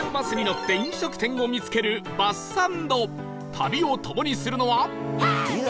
旅をともにするのは